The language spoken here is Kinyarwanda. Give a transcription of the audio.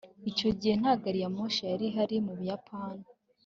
icyo gihe nta gari ya moshi yari ihari mu buyapani